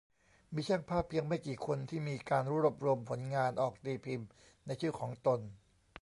มีช่างภาพเพียงไม่กี่คนที่มีการรวบรวมผลงานออกตีพิมพ์ในชื่อของตน